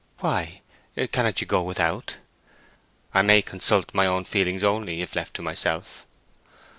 "Why? Cannot you go without?" "I may consult my own feelings only, if left to myself."